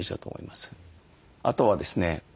あとはですね